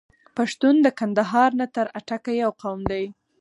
پښتون د کندهار نه تر اټکه یو قوم دی.